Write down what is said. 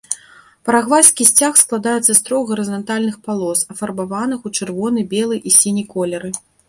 Парагвайскі сцяг складаецца з трох гарызантальных палос, афарбаваных ў чырвоны, белы і сіні колеры.